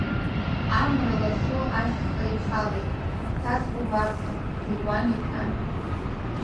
Амра лашо ашьха ирхалеит, ԥҭацк убарҭам иауан-иашәан.